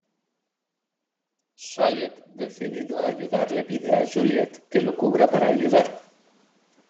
Sawyer decidido a ayudar le pide a Juliet que lo cubra para ayudar.